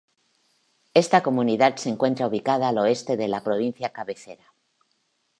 Esta comunidad se encuentra ubicada al Oeste de la provincia cabecera.